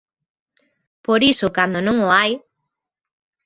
Por iso cando non o hai.